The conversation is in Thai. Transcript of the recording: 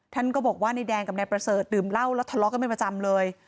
ท่านก็บอกว่านายแดงกับนายประเสริฐดื่มเหล้าแล้วทะเลาะกันเป็นประจำเลย